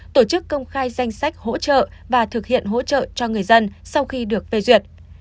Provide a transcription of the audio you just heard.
tổ chức công khai danh sách hỗ trợ và thực hiện hỗ trợ cho người dân sau khi được phê duyệt